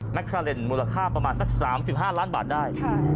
คาเลนมูลค่าประมาณสัก๓๕ล้านบาทได้